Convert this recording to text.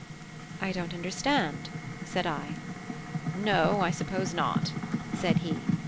"I don't understand," said I. "No, I suppose not," said he.